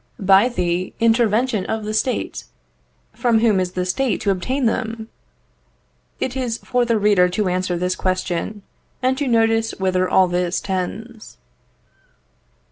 By the intervention of the State. From whom is the State to obtain them? It is for the reader to answer this question, and to notice whither all this tends.